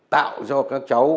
tạo cho các cháu